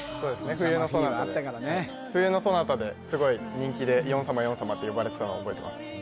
「冬のソナタ」で「冬のソナタ」ですごい人気で「ヨン様ヨン様」って呼ばれてたのを覚えてます